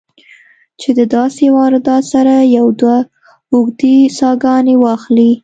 چې د داسې واردات سره يو دوه اوږدې ساهګانې واخلې